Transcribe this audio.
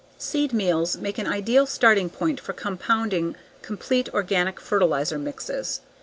Seed meals make an ideal starting point for compounding complete organic fertilizer mixes.